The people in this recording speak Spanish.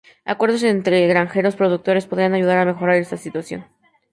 Acuerdos entre granjeros y productores podrían ayudar a mejorar esa situación.